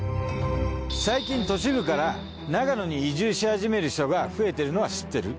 最近都市部から長野に移住し始める人が増えてるのは知ってる？